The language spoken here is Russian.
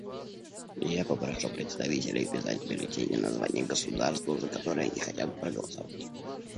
Я попрошу представителей вписать в бюллетени название государства, за которое они хотят проголосовать.